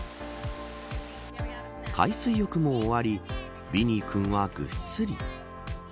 海水浴も終わりビニー君は、ぐっすり。